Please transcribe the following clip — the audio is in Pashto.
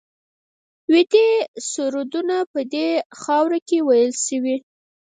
ویدي سرودونه په دې خاوره کې ویل شوي